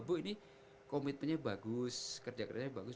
bu ini komitmennya bagus kerja kerjanya bagus